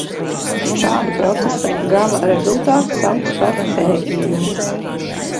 Šāda procesa gala rezultātu sauc par pētījumu.